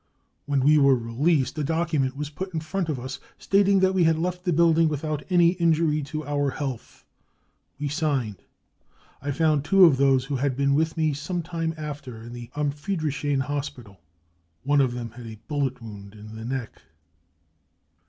When we were released, a document was put in front of us stating that we had left the building without any injury to our health. We signed. I found two of those who had been with me some time after in the * Am Friedrichshain 5 hospital. One of them had a bullet wound in the neck.